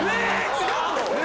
違うの？